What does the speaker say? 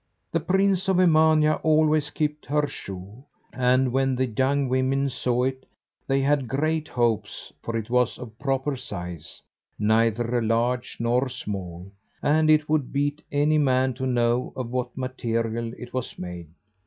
The prince of Emania always kept the shoe; and when the young women saw it, they had great hopes, for it was of proper size, neither large nor small, and it would beat any man to know of what material it was made.